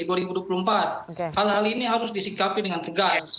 hal hal ini harus disikapi dengan tegas